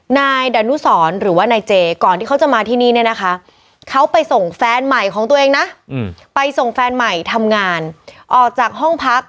นายดานุสรหรือว่านายเจก่อนที่เขาจะมาที่นี่เนี่ยนะคะเขาไปส่งแฟนใหม่ของตัวเองนะไปส่งแฟนใหม่ทำงานออกจากห้องพัก